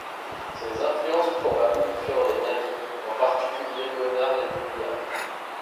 Ses influences probables furent les nabis, en particulier Bonnard et Vuillard.